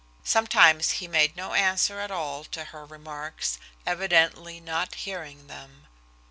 Sometimes he made no answer at all to her remarks, evidently not hearing them.